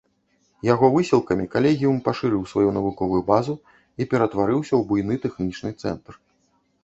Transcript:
Яго высілкамі калегіум пашырыў сваю навуковую базу і ператварыўся ў буйны тэхнічны цэнтр.